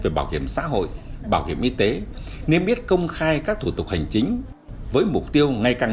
về bảo hiểm xã hội bảo hiểm y tế nên biết công khai các thủ tục hành chính với mục tiêu ngày càng